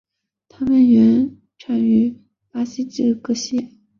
它们原产于巴西至墨西哥。